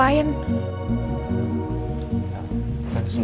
ada meeting kayak sama klien